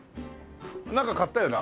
なんか買ったよな？